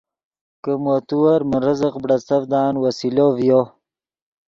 کہ مو تیور من رزق بڑیڅڤدان وسیلو ڤیو